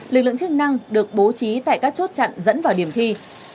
lực lượng chức năng được bố trí tại các chốt chặn dẫn vào điểm thi